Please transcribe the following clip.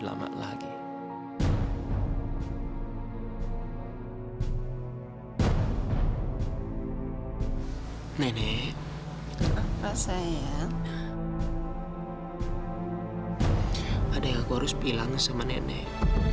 sama lagi nenek apa sayang ada yang harus bilang sama nenek